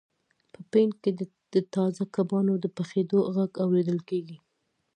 په پین کې د تازه کبانو د پخیدو غږ اوریدل کیږي